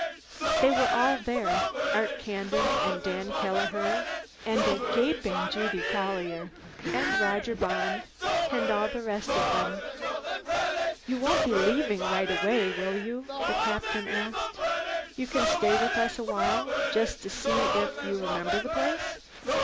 They were all there, Art Kandin and Dan Kelleher and a gaping Judy Collier and Roger Bond and all the rest of them. "You won't be leaving right away, will you?" the Captain asked. "You can stay with us a while, just to see if you remember the place?"